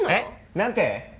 何て？